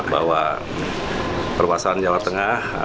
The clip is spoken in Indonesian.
bahwa perluasan jawa tengah